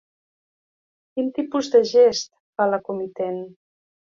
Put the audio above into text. Quin tipus de gest fa la comitent?